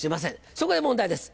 そこで問題です